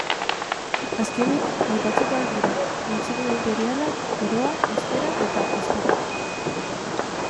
Azkenik aipatzekoak dira intsignia inperialak, koroa, esfera eta ezpata.